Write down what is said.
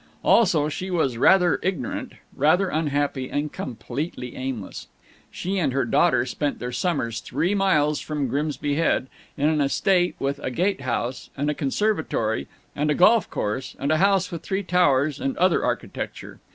Also she was rather ignorant, rather unhappy, and completely aimless. She and her daughter spent their summers three miles from Grimsby Head, in an estate with a gate house and a conservatory and a golf course and a house with three towers and other architecture.